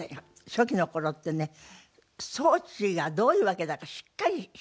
初期の頃ってね装置がどういうわけだかしっかりしてなかったんですよね。